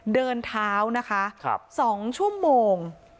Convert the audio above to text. เดินเท้านะคะ๒ชั่วโมง